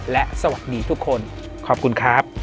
และสวัสดีทุกคนขอบคุณครับ